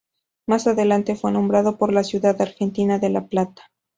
Más adelante fue nombrado por la ciudad argentina de La Plata.